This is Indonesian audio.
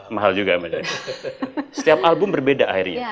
mahal juga setiap album berbeda akhirnya